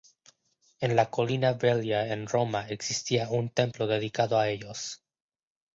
En la colina Velia en Roma existía un templo dedicado a ellos.